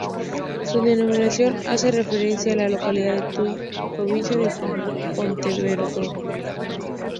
Su denominación hace referencia a la localidad de Tuy, provincia de Pontevedra.